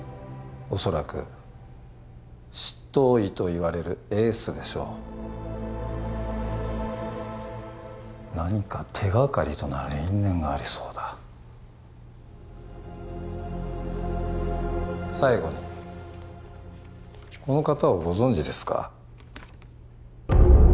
おそらく執刀医といわれるエースでしょう何か手がかりとなる因縁がありそうだ最後にこの方をご存じですか？